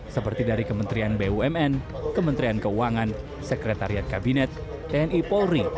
seperti dari kementerian bumn kementerian keuangan sekretariat kabinet tni polri